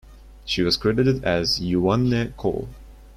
She was credited as "Yvonne Coll".